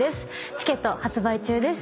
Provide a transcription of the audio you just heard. チケット発売中です。